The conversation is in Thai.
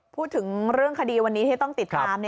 พูดถึงเรื่องคดีวันนี้ที่ต้องติดตาม